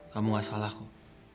kamu gak salah kok